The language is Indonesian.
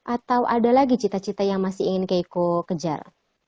atau ada lagi cita cita yang masih ingin keiko kejar